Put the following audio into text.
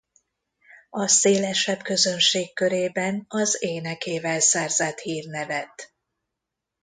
A szélesebb közönség körében az énekével szerzett hírnevet.